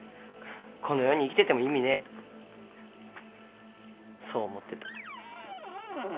この世に生きてても意味ねえとそう思ってた。